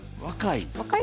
若い？